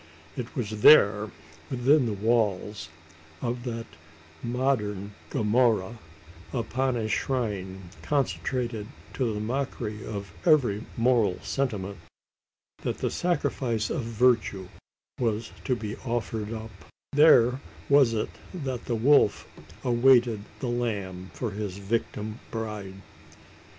It was there within the walls of that modern Gomorrah upon a shrine consecrated to the mockery of every moral sentiment, that the sacrifice of virtue was to be offered up there was it that the wolf awaited the lamb for his victim bride!